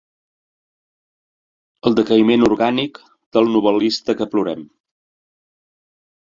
El decaïment orgànic del novel·lista que plorem.